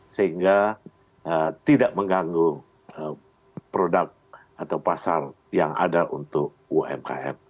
sehingga tidak mengganggu produk atau pasar yang ada untuk umkm